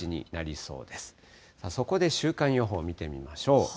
そこで週間予報見てみましょう。